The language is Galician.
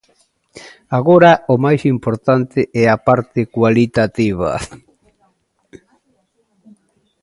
Agora, o máis importante é a parte cualitativa.